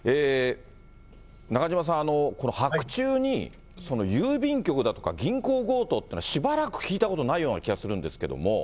中島さん、白昼に郵便局だとか、銀行強盗っていうのは、しばらく聞いたことないような気がするんですけども。